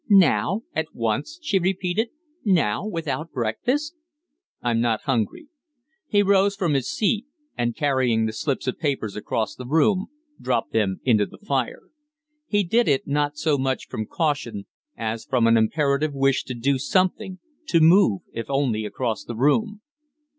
"Now at once?" she repeated. "Now without breakfast?" "I'm not hungry." He rose from his seat, and, carrying the slips of paper across the room, dropped them into the fire. He did it, not so much from caution, as from an imperative wish to do something, to move, if only across the room.